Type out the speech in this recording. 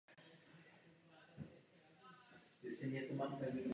Jako medailér navrhoval mince Vatikánu a San Marina.